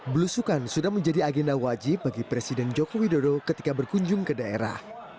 belusukan sudah menjadi agenda wajib bagi presiden joko widodo ketika berkunjung ke daerah